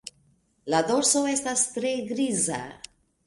La dorso estas tre griza.